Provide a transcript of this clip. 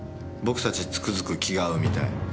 僕たちつくづく気が合うみたい。